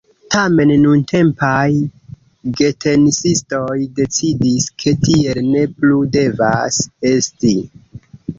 Tamen nuntempaj getenisistoj decidis, ke tiel ne plu devas esti.